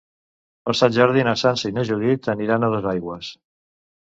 Per Sant Jordi na Sança i na Judit aniran a Dosaigües.